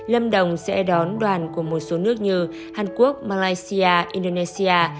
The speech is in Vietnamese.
lâm đồng sẽ đón đoàn của một số nước như hàn quốc malaysia indonesia